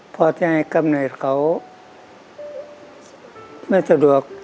พอจะให้กำเนิดเขาไม่สะดวก